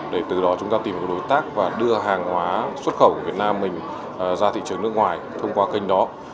để từ đó chúng ta tìm đối tác và đưa hàng hóa xuất khẩu của việt nam mình ra thị trường nước ngoài thông qua kênh đó